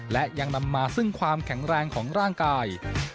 และยังนำมาซึ่งความแข็งแรงของร่างกาย